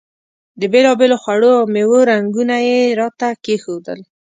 د بېلابېلو خوړو او میوو رنګونه یې راته کېښودل.